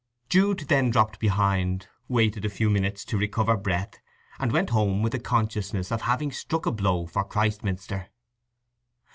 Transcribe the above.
Jude then dropped behind, waited a few minutes to recover breath, and went home with a consciousness of having struck a blow for Christminster.